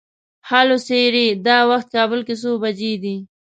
هلو سیري! دا وخت کابل کې څو بجې دي؟